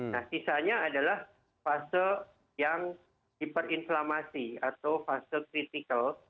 nah sisanya adalah fase yang hiperinflamasi atau fase kritikal